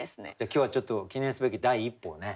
今日はちょっと記念すべき第一歩をね